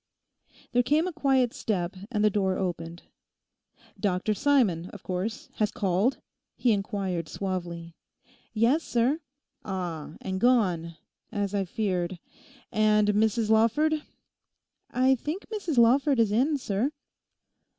There came a quiet step and the door opened. 'Dr Simon, of course, has called?' he inquired suavely. 'Yes, sir.' 'Ah, and gone'—as I feared. And Mrs Lawford?' 'I think Mrs Lawford is in, sir.